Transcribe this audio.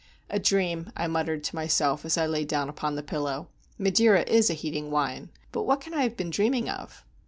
"A dream," I muttered to myself, as I lay down upon the pillow; "Madeira is a heating wine. But what can I have been dreaming of?"